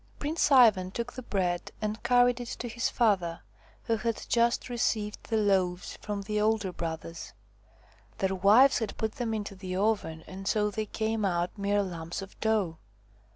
Prince Ivan took the bread and carried it to his father, who had just received the loaves from the older brothers. Their wives had put them into the oven, and so they came out mere lumps of dough.